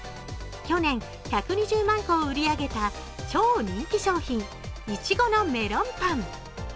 去年、１２０万個を売り上げた超人気商品、いちごのメロンパン。